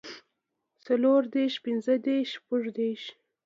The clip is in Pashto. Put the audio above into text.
څلور دېرش پنځۀ دېرش شپږ دېرش